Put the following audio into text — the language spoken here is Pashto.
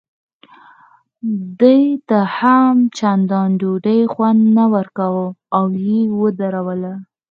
ده ته هم چندان ډوډۍ خوند نه ورکاوه او یې ودروله.